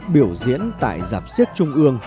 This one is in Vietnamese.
biểu diễn tại giảm siếc trung ương